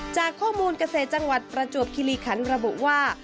จากข้อมูลเกษตรจังหวัดประจวบคิริคันระบุว่า